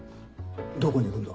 どこに行くんだ？